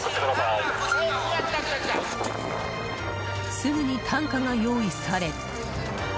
すぐに担架が用意され。